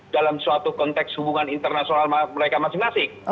dalam suatu konteks hubungan internasional mereka masing masing